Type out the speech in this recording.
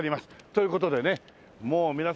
という事でねもう皆さん